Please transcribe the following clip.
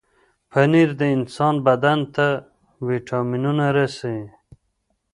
پنېر د انسان بدن ته وټامنونه رسوي.